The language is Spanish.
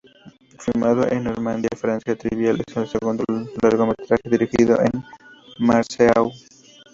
Filmado en Normandía, Francia, "Trivial" es el segundo largometraje dirigido por Marceau.